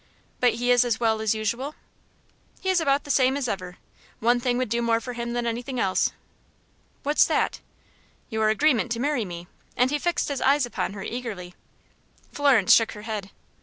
"But is he as well as usual?" "He is about the same as ever. One thing would do more for him than anything else." "What's that?" "Your agreement to marry me," and he fixed his eyes upon her face eagerly. Florence shook her head.